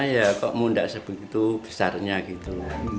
ya kok mundak sebegitu besarnya gitu